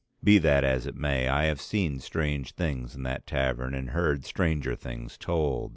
Be that as it may, I have seen strange things in that tavern and heard stranger things told.